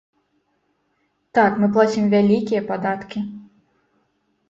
Так, мы плацім вялікія падаткі.